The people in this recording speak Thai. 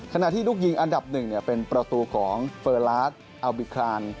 ลูกยิงอันดับ๑เป็นประตูของเฟอร์ลาสอัลบิคราน